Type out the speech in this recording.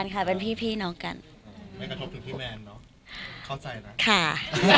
อยากจะลงรูปอีกไหมครับ